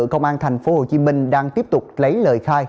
công an tp hcm đang tiếp tục lấy lời khai